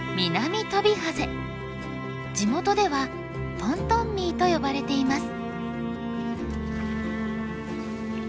地元ではトントンミーと呼ばれています。